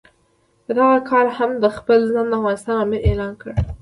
په دغه کال هغه خپل ځان د افغانستان امیر اعلان کړ.